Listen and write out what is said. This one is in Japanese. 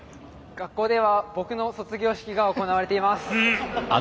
学校では僕の卒業式が行われています。